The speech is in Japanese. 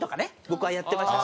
僕はやってました。